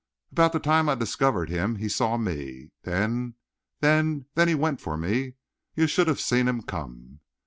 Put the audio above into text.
"About the time I discovered him he saw me. Then then then he went for me. You should have seen him come!"